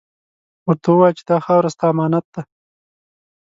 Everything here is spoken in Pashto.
ورته ووایه چې دا خاوره ، ستا امانت ده.